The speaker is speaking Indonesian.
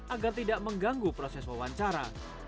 agar tidak mengganggu proses wawancara